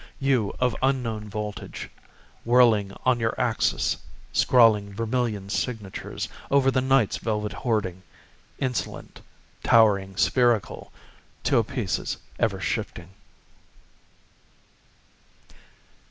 You of unknown voltage Whirling on your axis... Scrawling vermillion signatures Over the night's velvet hoarding... Insolent, towering spherical To apices ever shifting.